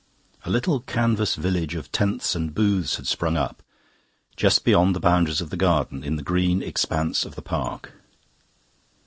A little canvas village of tents and booths had sprung up, just beyond the boundaries of the garden, in the green expanse of the park.